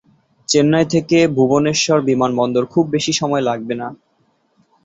চেন্নাই থেকে ভুবনেশ্বর বিমানবন্দর খুব বেশি সময় লাগবে না।